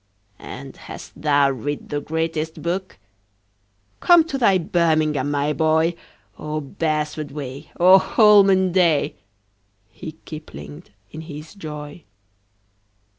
"And hast thou writ the greatest book? Come to thy birmingham, my boy! Oh, beresford way! Oh, holman day!" He kiplinged in his joy.